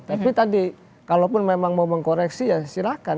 tapi tadi kalaupun memang mau mengkoreksi ya silahkan